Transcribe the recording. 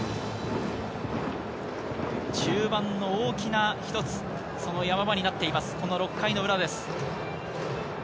中盤の大きな一つ、その山場になっています、６回の裏です。